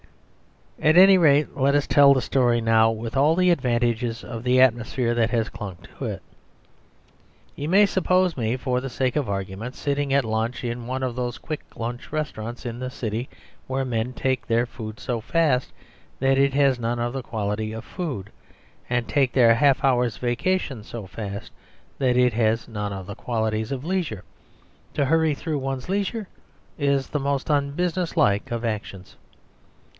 ..... At any rate, let us tell the story now with all the advantages of the atmosphere that has clung to it. You may suppose me, for the sake of argument, sitting at lunch in one of those quick lunch restaurants in the City where men take their food so fast that it has none of the quality of food, and take their half hour's vacation so fast that it has none of the qualities of leisure; to hurry through one's leisure is the most unbusiness like of actions.